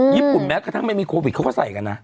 แม้กระทั่งไม่มีโควิดเขาก็ใส่กันนะ